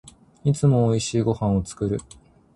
いつも美味しいご飯を作る